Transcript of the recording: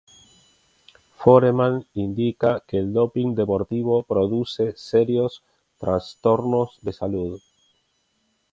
Foreman indica que el doping deportivo produce serios trastornos de salud.